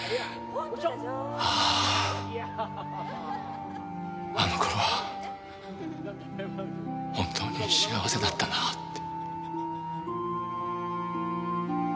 あああの頃は本当に幸せだったなあって。